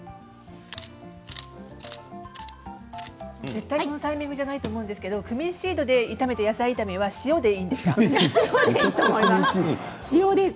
このタイミングじゃないと思うんですけどクミンシードの野菜炒めは塩でいいですか？